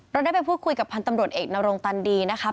เราได้ไปพูดคุยกับพันธ์ตำรวจเอกนรงตันดีนะครับ